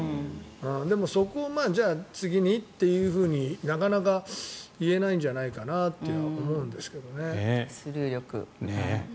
でも、そこを次にというふうになかなか言えないんじゃないかなと思うんですけどね。